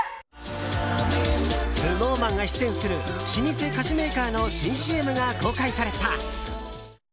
ＳｎｏｗＭａｎが出演する老舗菓子メーカーの新ＣＭが公開された。